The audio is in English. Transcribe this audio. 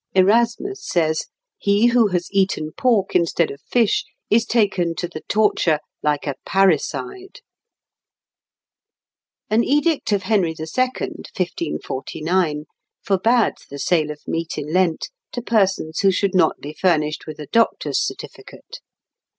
Erasmus says, "He who has eaten pork instead of fish is taken to the torture like a parricide." An edict of Henry II, 1549, forbade the sale of meat in Lent to persons who should not be furnished with a doctor's certificate.